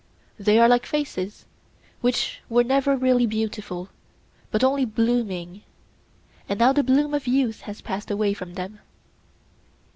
They are like faces which were never really beautiful, but only blooming; and now the bloom of youth has passed away from them?